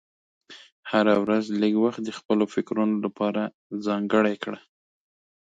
هره ورځ لږ وخت د خپلو فکرونو لپاره ځانګړی کړه.